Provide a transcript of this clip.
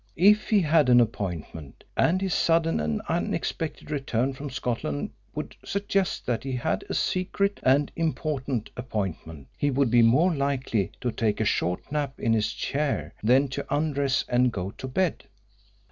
If he had an appointment and his sudden and unexpected return from Scotland would suggest that he had a secret and important appointment he would be more likely to take a short nap in his chair than to undress and go to bed.